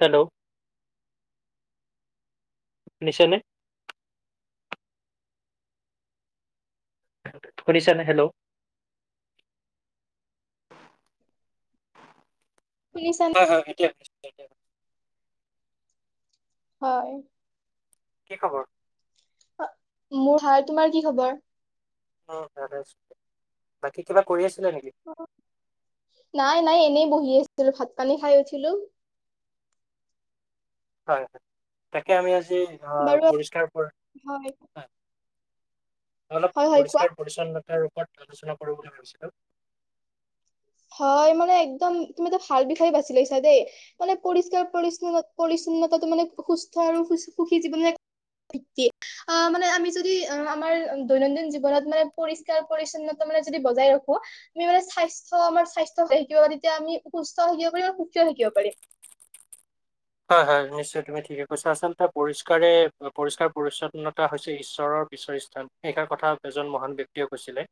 Hello? দিছেনে? শুনিছানে hello? শুনিছানে? হয়, হয়। এতিয়া [unintelligible] হয়। কি খবৰ? মোৰ ভাল। তোমাৰ কি খবৰ? অ'! ইয়ালে আহিছোঁ। বাকী কিবা কৰি আছা? নাই, নাই, এনেই বহি আছিলোঁ। ভাত পানী খায় উঠিলোঁ। হয়, হয় তাকে, আমি আজি বাৰু পৰিষ্কাৰ হয়। হয়, অলপ হয় হয় কোৱা। পৰিষ্কাৰ-পৰিচ্ছন্নতাৰ ওপৰত আলোচনা কৰোঁ বুলি ভাবিছিলোঁ। হয় মানে একদম তুমিতো ভাল বিষয়ে বাচি লৈছা দেই, মানে পৰিষ্কাৰ-পৰি্ চ্ছন্নতাাতটো মানে, সুস্থ আৰু সুখী জীৱন আহ' মানে, আমি যদি আমাৰ দৈনন্দিন জীৱনত মানে, পৰিষ্কাৰ-পৰিচ্ছন্নতা নিজেই যদি বজাই ৰাখি নিজৰ চ আমাৰ স্বাস্থ্য থাকিব পাৰ। তেতিয়া আমি সুস্থ থাকিব পাৰি আৰু সুকীও থাকিব পাৰিম। হয়, হয় নিশ্চয় তুমি ঠিকে কৈছা। আচলতে পৰিষ্কাৰে পৰিষ্কাৰ-পৰিচ্ছন্নতা হৈছে ঈশ্বৰৰ ঈশ্বৰ [unintelligible] সেইষাৰ কথা এজন মহান ব্যক্তিয়ে কৈছিলে,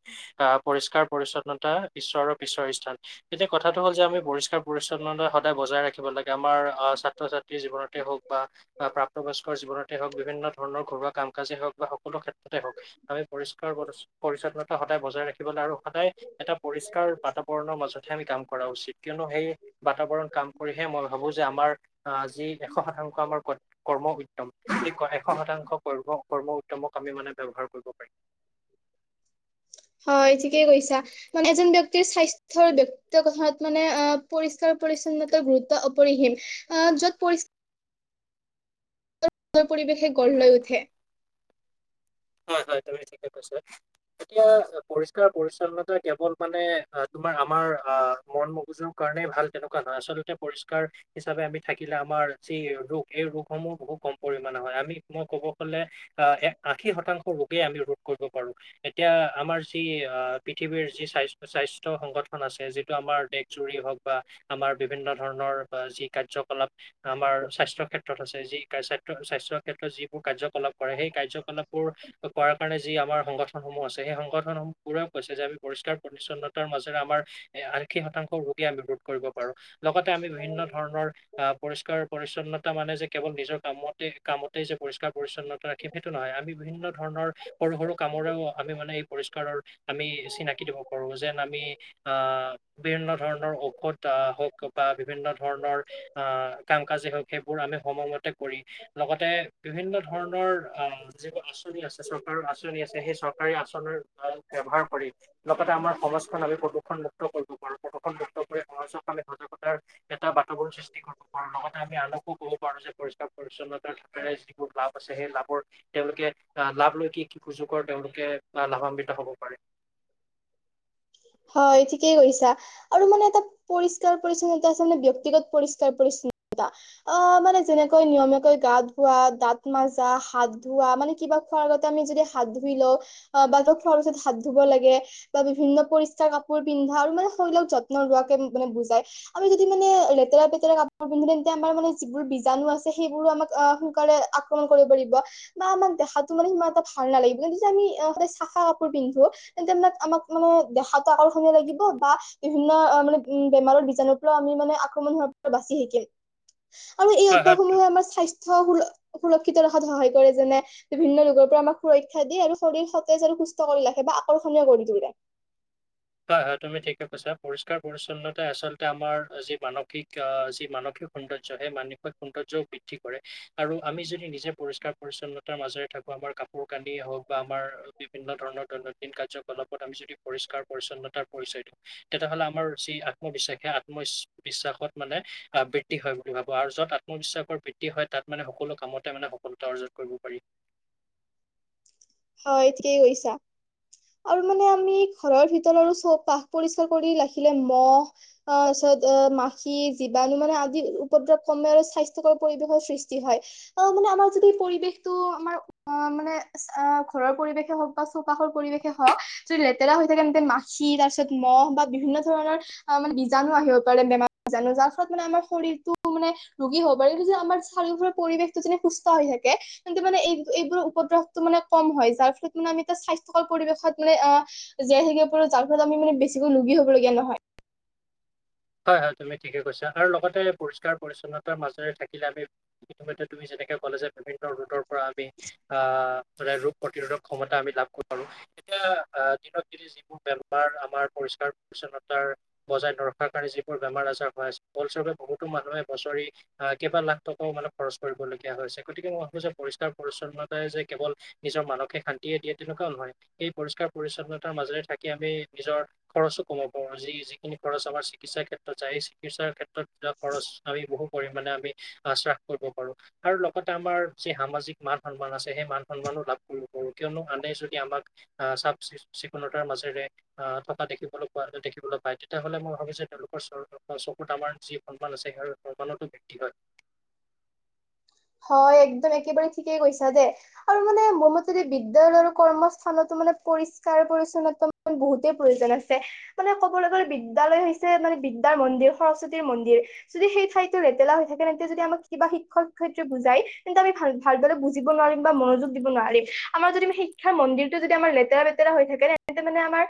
আ, পৰিস্কাৰ পৰিচ্ছন্নতা ঈশ্বৰৰ [unintelligible] এতিয়া কথাটো হ'ল যে, আমি পৰিস্কাৰ পৰিচ্ছন্নতা সদায় বজাই ৰাখিব লাগে আমাৰ আ, চা প্ৰাপ্তবয়স্কৰ জীৱনতে হওক বিভিন্ন ধৰণৰ ঘৰুৱা কাম কাজেই হওঁক বা সকলো ক্ষেত্ৰতে হওঁক, আমি পৰিস্কাৰ প-পৰিচ্ছন্নতা সদায় বজাই ৰাখিবলৈ আৰু সদায় এটা পৰিস্কাৰ পাৰিম। বাতাবৰণৰ মাজতহে আমি কাম কৰা উচিত। কিয়নো সেই বাতাবৰণ কাম কৰিহে মই ভাবোঁ যে, আমাৰ অ', যি এশ শতাংশ আমাৰ ক-কৰ্ম উদ্যম, [unintelligible] এশ শতাংশ কৰ্ম, কৰ্ম উদ্যমক আমি মি মানে ব্যৱহাৰ কৰিব পাৰিম। হয়, ঠিকেই কৈছা, মানে এজন ব্যক্তিৰ স্বাস্থ্যৰ ব্যক্ত কথাত মানে অ', পৰিস্কাৰ পৰিচ্ছন্নতাৰ গুৰুত্ব অপৰিসীম। আ, য'ত পৰি পৰিৱেশে গঢ় লৈ উঠে। হয়, হয়। তুমি ঠিকে কৈছা। এতিয়া পৰিষ্কাৰ পৰিচ্ছন্নতা কেৱল মানে আ তোমাৰ আমাৰ আ মন মগজুৰ কাৰণে [unintelligible] ভাল তেনেকুৱা নহয়, আচলতে পৰিস্কাৰ হিচাপে আমি থাকিলে আমাৰ যি ৰোগ এই ৰোগসমূহ বহু কম পৰিমানে হয়, আমি মই ক'ব গ'লে আ-এ-আ আশী শতাংশ ৰোগে আমি ৰোধ কৰিব পাৰোঁ, এতিয়া আমাৰ যি আ, পৃথিৱীৰ যি স্বাস্থ-স্বা স্থ, সংগঠন আছে, যিটো আমাৰ দেশজুৰি হওঁক বা আমাৰ বিভিন্ন ধৰণৰ যি কাৰ্যকলাপ আমাৰ স্বাস্থ্য ক্ষেত্ৰত আছে, যি কা স্বাত্ত স্বাস্থ্য ক্ষেত্ৰত যিবোৰ কাৰ্যকলাপ কৰে, সেই কাৰ্যকলাপ বোৰ কৰাৰ কাৰণে যি আমাৰ সংগঠনসমূহ আছে, সেই সংগঠনসমূহ পৰাও কৈছে যে আমি পৰিষ্কাৰ পৰিছন্নতাৰ মাজেৰে আমাৰ এ আ শী শতাংশ ৰোগে আমি ৰোধ কৰিব পাৰোঁ। লগতে আমি বিভিন্ন ধৰণৰ আ পৰিষ্কাৰ পৰিচ্ছনতা মানে যে, কেৱল নিজৰ কামতে কামতেই যে পৰিষ্কাৰ পৰিচ্ছনতা ৰাখিম সেইটো নহয়, আমি বিভিন্ন ধৰণৰ সৰু সৰু কামৰেও আমি মানে এই পৰিস্কাৰৰ আমি চিনাকি দিব পাৰোঁ যেন আমি আ, বিভিন্ন ধৰণৰ ঔষধ আ হওঁক, বা বিভিন্ন ধৰণৰ আ কাম [unintelligible] সেইবোৰ আমি সময়মতে কৰি, লগতে বিভিন্ন ধৰণৰ আ যিবোৰ আঁচনি আছে, চৰকাৰৰ আঁচনি আছে সেই চৰকাৰী আঁচনিৰ ভাল ব্যৱহাৰ কৰি, লগতে আমাৰ সম মাজখন আমি প্ৰদূষণ মুক্ত কৰিব পাৰোঁ। প্ৰদূষণ মুক্ত কৰি [unintelligible] সজাগতাৰ এটা বাতাবৰণ সৃষ্টি কৰিব পাৰোঁ। লগতে আমি আনকো ক'ব পাৰোঁ যে পৰিষ্কাৰ পৰিচ্ছন্নতা [inaudible] ছে সেই লাভৰ তেওঁলোকে আ লাভ লৈ কি কি সুযোগৰ তেওঁলোকে লাভান্বিত হ'ব। হয়। হয়, ঠিকেই কৈছা। আৰু মানে এটা পৰিষ্কাৰ পৰিছন্নতা আছে মানে ব্যক্তিগত পৰিষ্কাৰ পৰিছ চ্ছন্নতা, অ, মানে যেনেকৈ নিয়মীয়াকৈ গা ধোৱা, দাঁত মাজা, হাত ধোৱা মানে কিবা খোৱাৰ আগতে আমি যদি হাত ধুই লও, অ, বা তো খোৱাৰ পিছত হাত ধুব লাগে, বা বিভিন্ন পৰিচ কাৰ কাপোৰ পিন্ধা আৰু মানে শৰীলক যত্ন লোৱাটো মা-মানে বুজায়। আৰু যদি মানে, লেতেৰা পেতেৰা কাপোৰ [unintelligible] আমাৰ মানে যিবোৰ বীজাণু আছে সেইবোৰো আমাক অ, সোনকালে আক্ৰমণ কৰি কৰিব বা আমাক গাটো মানে সিমান এটা ভাল নালাগিব, এই যে আমি সদায় চাফা কাপোৰ পিন্ধো, তেন্তে মানে আমাক মানে দেখাত [unintelligible] লাগিব বা বিভিন্ন অ মানে উম বেমাৰৰ বীজাণুৰ পৰা আমি মানে আক্ৰমণ হোৱাৰ পৰা বাচি [unintelligible] [inaudible] আৰু এই হয় হয় অভ্যাসসমূহে আমাৰ স্বাস্থ্য সুল সুৰক্ষিত ৰখাত সহায় কৰে, যেনে বিভিন্ন ৰোগৰ পৰা আমাক সুৰক্ষা দিয়ে আৰু শৰীৰ সতেজ আৰু সুস্থ কৰি ৰাখে। আকৰ্ষণীয় কৰি তুলিলে। হয়, হয়, তুমি ঠিকে কৈছা। পৰিষ্কাৰ পৰিচ্ছন্নতাই আচলতে আমাৰ যি মানসিক আ যি মানসিক সৌন্দৰ্য সে [unintelligible] সৌন্দৰ্যও বৃদ্ধি কৰে, আৰু আমি যদি নিজে পৰিষ্কাৰ পৰিচ্ছন্নতাৰ মাজৰে থাকোঁ আমাৰ কাপোৰ কানি হওঁক বা আমাৰ বিভিন্ন ধৰণৰ দৈনন্দিন কাৰ্যকলাপত আমি যদি পৰিষ্কাৰ পৰিচ্ছন্নতাৰ পৰিচয়টো তেতিয়া হ'লে আমাৰ যি আত্মবিশ্বাস সেই আত্মইচ্ বিশ্বাসত মানে আ বৃদ্ধি হয় বুলি ভাবোঁ আৰু য'ত আত্মবিশ্বাসৰ বৃদ্ধি হয় তাত মানে সকলোঁ কামতে মানে সফলতা অৰ্জন কৰিব পাৰি। [inaudible] হয় ঠিকেই কৈছা। আৰু মানে আমি ঘৰৰ ভিতৰত আৰু চৌপাশ পৰিষ্কাৰ কৰি লাখিলে মহ আ অ', মাখি জীৱাণু মানে আদি উপদ্ৰৱ কমে আৰু স্বাস্থ্যকৰ পৰিৱেশৰ সৃষ্টি হয়। মানে আমাৰ যদি পৰিৱেশটো আমাৰ মানে। ঘৰৰ পৰিৱেশে হওঁক বা চৌপাশৰ পৰিৱেশে হওঁক যদি লেতেৰা হৈ থাকে। তেন্তে মাখি তাৰপিছত মহ বা বিভিন্ন। ধৰণৰ অ মানে বীজণু আহিব পাৰে। বেমাৰ বীজাণু যাৰ ফলত মানে আমাৰ শৰীৰতো মানে ৰোগী হ'ব পাৰে। এই যে, আমাৰ চাৰিওফালে পৰিৱেশ টো যেনে সুস্থ হৈ থাকে তেন্তে মানে এই এইবোৰৰ উপদ্ৰহটো মানে। কম হয়। যাৰ ফলত মানে আমি এটা স্বাস্থ্যকৰ পৰিৱেশত মানে জীয়াই থাকিব পাৰো। যাৰ ফলত আমি মানে বেছিকৈ। ৰোগী হ'বলগীয়া নহয়। [unintelligible] হয়, হয় তুমি ঠিকে কৈছা। আৰু লগতে পৰিষ্কাৰ পৰিচ্ছন্নতাৰ মাজেৰে থাকিলে আমি ইতিম্যে তুমি। তেনেকে ক'লে যে বিভিন্ন ৰোগৰ পৰা আমি আহ মানে ৰোগ প্ৰতিৰোধক ক্ষমতা আমি লাভ কৰিব পাৰো। এতিয়া দিনত যিবোৰ বেমাৰ আমাৰ পৰিষ্কাৰ পৰি্ছন্নতাৰ বজাই নাৰাখে। কাৰণে যিবোৰ বেমাৰ আজাৰ হৈ আছে ফলস্বৰূপে বহুতো মানুহে বছৰি আহ কেইবা লাখ টকাও মানে খৰচ কৰি। লগীয়া হৈছে। গতিকে মই ভাবো যে পৰিষ্কাৰ পৰিচ্ছন্নতাই যে কেৱল নিজৰ মানসিক শান্তিয়ে দিয়ে তেনেকুৱাও নহয়। এই পৰিষ্কাৰ পৰিচ্ছন্নতাৰ মাজেৰে থাকি আমি নিজৰ খৰচো কমাব পাৰো, যি যিখিনি খৰচ আমাৰ চিকিৎসা ক্ষেত্ৰত যায় এই চিকিৎসাৰ ক্ষেত্ৰত খৰচ আমি বহু পৰিমানে আমি আশ্বাস কৰিব পাৰো। আৰু লগতে আমাৰ যি সামাজিক মান সন্মান আছে সেই মান সন্মানো লাভ কৰিব পাৰো। কিয়নো আনে যদি আমাক। আহ চাফ চিকুণতাৰ মাজেৰে আহ থকা দেখিবলৈ পোৱা দেখিবলৈ পায়। তেতিয়া হ'লে মই ভাবিছো। তেওঁলোকৰ চকুত আমাৰ যি সন্মান আছে সেই সন্মানতো বৃদ্ধি হয়। [unintelligible] হয়। একদম একেবাৰে ঠিকেই কৈছা দে। আৰু মানে মোৰ মতে যে বিদ্যালয় আৰু কৰ্মস্থানতো। মানে পৰিষ্কাৰ পৰিচ্ছন্নতা মানে বহুতেই প্ৰয়োজন আছে। মানে ক'বলৈ গ'লে বিদ্যালয় হৈছে মানে। বিদ্যাৰ মন্দিৰ সৰস্বতীৰ মন্দিৰ। যদি সেই ঠাইতো লেতেৰা হৈ থাকে তেতিয়া যদি আমাক কিবা শিক্ষক। শিক্ষয়ত্ৰী বুজাই তেন্তু আমি ভাল ভালদৰে বুজিব নোৱাৰিম। বা মনোযোগ দিব নোৱাৰি আমাৰ যদি আমি শিক্ষাৰ মন্দিৰটো আমি। যদি আমাৰ লেতেৰা লেতেৰা হৈ থাকে। তেতিয়া মানে আমাৰ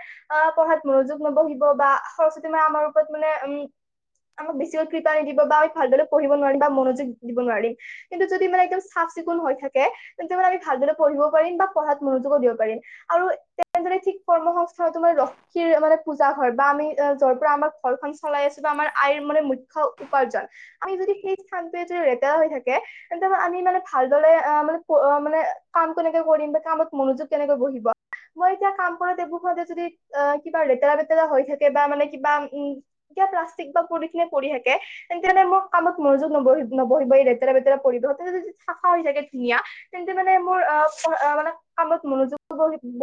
পঢ়াত মনোযোগ নবহিব বা সৰস্বতী মা আমাৰ। ওপৰত মানে উম আমাক বেছিকৈ কৃপা নিদিব। বা আমি ভালদৰে পঢ়িব নোৱাৰিম বা মনোযোগ দিব নোৱাৰিম। কিন্তু যদি মানে একদম চাফ চিকুণ হৈ থাকে তেন্তে মানে আমি ভালদৰে পঢ়িব পাৰিম বা পঢ়াত মনোযোগো দিব পাৰিম। আৰু তেনেদৰে ঠিক কৰ্ম সংস্থা টো মানে লক্ষ্মী পূজা হয় বা আমি যৰ পৰা আমাৰ। ঘৰখন চলাই আছো বা আমাৰ আইৰ মানে মূখ্য উপাৰ্জন। আমি যদি সেই স্থানটোৱে যদি লেতেৰা হৈ থাকে। আমি মানে ভালদৰে মানে মানে কাম কেনেকে কৰিম বা কামত মনোযোগ কেনেকে বহিব। বহিব মই এতিয়া কাম কৰা টেবুলখনতে যদি অ কিবা লেতেৰা বেতেৰা হৈ থাকে বা মানে কিবা উম। প্লাষ্টিক বা পলিথিন এ পৰি থাকে তেনেহ'লে মোৰ কামত মনোযোগ নবহিব। লেতেৰা -বেতেৰা পৰিব তেতিয়া যদি চাফা হৈ থাকে ধুনীয়া তেন্তে মানে মোৰ অ মানে কামত মনোযোগ।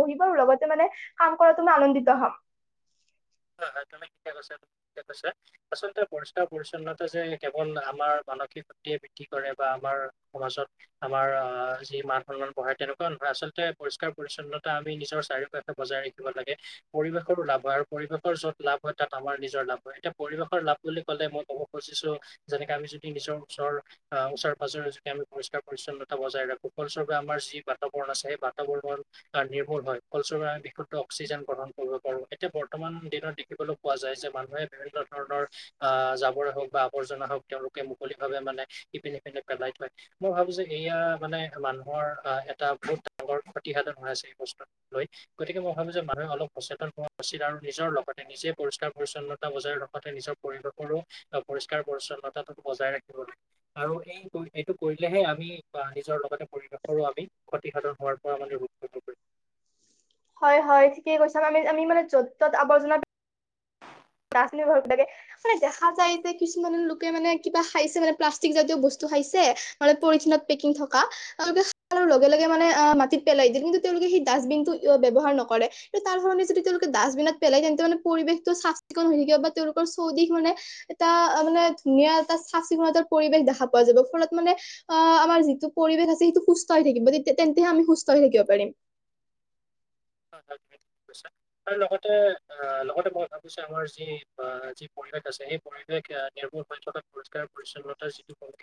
বহিব লগতে মানে কাম কৰাটো মই আনন্দিত হম। [unintelligible] হয়, হয় তুমি ঠিকে কৈছা। আচলতে পৰিষ্কাৰ পৰি্ছন্নতা যে কেৱল আমাৰ। মানসিক শক্তিয়ে বৃদ্ধি কৰে বা আমাৰ সমাজত আমাৰ যি মান সন্মান বাঢ়ে তেনেকুৱা নহয়। আচলতে পৰিষ্কাৰ পৰিচ্ছন্নতা আমি নিজৰ চাৰিওঁ কাষে বজাই ৰাখিব লাগে পৰিৱেশৰো লাভ হয় আৰু। পৰিৱেশৰ য'ত লাভ হয় তাত আমাৰ নিজৰ লাভ হয়। এতিয়া পৰিৱেশৰ লাভ বুলি ক'লে মই ক'ব খুজিছো যেনেকে আমি। যদি নিজৰ উচৰে-পাজৰে যদি আমি পৰিষ্কাৰ পৰিচ্ছন্নতা বজাই ৰাখো ফল স্বৰূপে আমাৰ যি বাতক। সেই বাতাবৰণৰ নিৰ্ভৰ হয় ফলস্বৰূপে বিশুদ্ধ অক্সিজেন গ্ৰহণ কৰিব পাৰো এতিয়া। বৰ্তমান দিনত দেখিবলৈ পোৱা যায়। যে মানুহে বিভিন্ন ধৰণৰ আহ জাবৰে হওঁক বা আৱৰ্জনা হওঁক তেওঁলোকেই। মুকলি ভাৱে মানে ইপিনে সপিনে পেলাই থয় মই ভাবো যে এয়া মানে মানুহৰ আহ এটা। বহুত ডাঙৰ ক্ষতিসাধন হৈ আছে। এই বস্তু লৈ গতিকে মই ভাবো যে মানুহে অলপ সচেতন হোৱা উচিত আৰু। নিজৰ লগতে নিজে পৰিষ্কাৰ পৰিচ্ছন্নতা বজাই লগতে নিজৰ পৰিৱেশৰো পৰিষ্কাৰ পৰিচ্ছন্নতাটো। বজাই ৰাখিব লাগে। আৰু এই এইটো কৰিলেহে আমি বা নিজৰ লগতে পৰিৱেশৰো আমি। প্ৰতিসাধন হোৱাৰ পৰা অহ উৎসাপ কৰে। হয়, হয় ঠিকেই কৈছা। আমি আমি মানে য'ত ত'ত আৱৰ্জনা। লাগে মানে দেখা যায় যে কিছুমানৰ লোকে মানে কিবা খাইছে মানে প্লাষ্টিক জাতীয় বস্তু। খাইছে মানে পলিথিনত পেকিং থকা লগে, লগে মানে মাটিত পেলাই দিয়ে কিন্তু তেওঁলোকে সেই ডাষ্টবিন টো ব্যৱহাৰ নকৰে। তাৰ কাৰনে যদি তেওঁলোকে ডাষ্টবিনত পেলাই তেন্তে মানে পৰিৱেশটো চাফা। [unintelligible] বা তেওঁলোকৰ চৌদিশ মানে, এটা মানে ধুনীয়া এটা চাফ চিকুনতাৰ পৰিৱেশ দেখা পোৱা যাব, ফলত মানে আ, আমাৰ যিটো পৰিৱেশ আছে, সেইটো সুস্থ হৈ থাকিব। তেতি, তেন্তে আমি সুস্থ হৈ থাকিব পাৰিম। [inaudible] আৰু লগতে, অ লগতে মই ভাবিছো আমাৰ যি, যি পৰিৱেশ আছে, সেই পৰিৱেশ [unintelligible] নিৰ্মূল হৈ থকা পৰিষ্কাৰ পৰিচ্ছন্নতাৰ যিটো [unintelligible] সেই [unintelligible]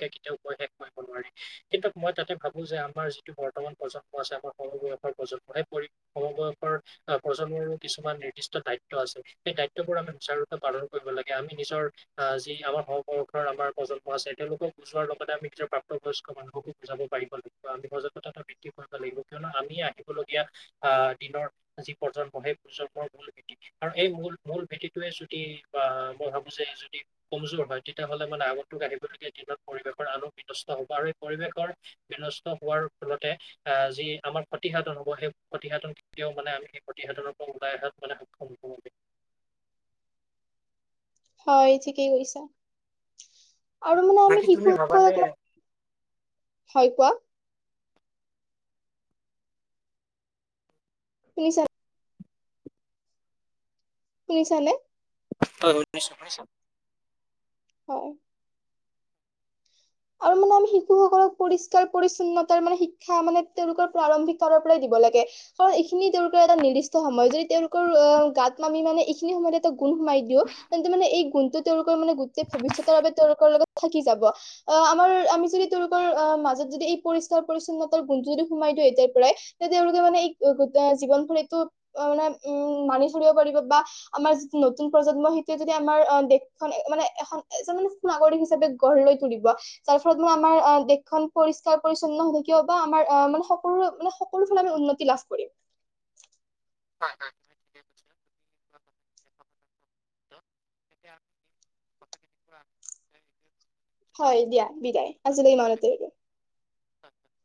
কেতিয়াও কৈ‌ শেষ কৰিব নোৱাৰি। কিন কিন্তু মই তাতে ভাবোঁ যে, আমাৰ যিটো বৰ্তমান প্ৰজন্ম আছে আমাৰ সমবয়সৰ প্ৰজন্ম, সেই পৰি-সমবয়স [unintelligible] অ', প্ৰজন্মৰো কিছুমান নিৰ্দিষ্ট দায়িত্ব আছে। সেই দায়িত্ববোৰ আমি সুচাৰুৰূপে পালন কৰিব লাগে, আমি নিজৰ অ', যি আমাৰ সমবয়সৰ আমাৰ প্ৰজন্ম আছে, তেওঁলোকক বুজোৱাৰ লগতে আমি নিজৰ প্ৰাপ্তবয়স্ক মানু বুজাব পাৰিব লাগিব। আমি সজাগতা বৃদ্ধি কৰিব লাগিব, কিয়নো আমি আহিব লগী এয়া আ, দিনৰ যি প্ৰজন্ম সেই প্ৰজন্মৰ মূল ভেটি আৰু এই মূল, মূল ভেটিটোৱে [unintelligible] মই ভাবোঁ যে, যদি কমজোৰ হয়, তেতিয়াহ'লে মানে আগন্তুক আহিবলগীয়া দিনত পৰিৱেশৰ আন বিনষ্ট হ'ব আৰু পৰিৱেশৰ বিনষ্ট হোৱাৰ ফলতে আ, যি আমাৰ ক্ষতিসাধন [unintelligible] ই, সেই ক্ষতিসাধন কেতিয়াও মানে আমি সেই ক্ষতিসাধন পৰা ওলাই অহাত মানে [unintelligible] হয়, ঠিকেই কৈছা। আৰু মানে আমি বাকী তুমি ভাবানে শিশুসকল [inaudible] হয়, কোৱা। [inaudible] শুনিছানে? [inaudible] [unintelligible] আৰু মানে আমি শিশুসকলক পৰিস্কাৰ পৰিছন্নতাৰ মানে শিক্ষা মানে তেওঁলোকৰ প্ৰাৰম্ভিক কালৰ পৰাই দি ব লাগে, এইখিনি তেওঁলোকৰ এটা নিৰ্দিষ্ট সময়, যদি তেওঁলোকৰ অ' গাত [unintelligible] মানে এইখিনি সময়তেটো গুণ সোমাই দিওঁ, তেন্তে মানে এই গুণটো তেওঁলোকৰ মানে গোটেই ভৱিষ্যতৰ বাবে তেওঁলোকৰ লগত থাকি যাব। অ', আমাৰ আমি যদি তেওঁলোকৰ অ', মাজত যদি এই পৰিস্কাৰ পৰিচ্ছন্নতাৰ গুণটো যদি সোমাই দিওঁ এতিয়াৰ পৰাই তেওঁলোকে মানে [unintelligible] জীৱনভৰ এইটো মানে [unintelligible] মানি চলিব পাৰিব বা আমাৰ নতুন প্ৰজন্ম সেইটোৱেয়ে যদি আমাৰ অ', দেশখন মানে এখন-এজন মানে সু নাগৰিক হিচাপে গঢ় লৈ তুলিব যাৰ ফলত মই আমাৰ অ', দেশখন পৰিস্কাৰ পৰিচ্ছন্ন হৈ থাকিব [unintelligible] বা আমাৰ অ', মানে সকলো মানে, সকলোফালে [unintelligible] উন্নতি লাভ কৰিম। হয়, হয় [unintelligible] [unintelligible] হয়, দিয়া বিদায়। আজিলৈ ইমানতে [unintelligible] হয়, হয়, হয়।